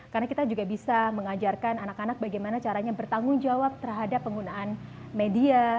karena kita juga bisa mengajarkan anak anak bagaimana caranya bertanggung jawab terhadap penggunaan media